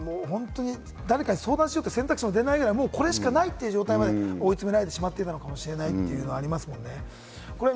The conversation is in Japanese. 誰かに相談しようという選択肢も出ないくらい、これしかないという状態まで追い詰められてしまっていたのかもしれないというのは、ありますもんね。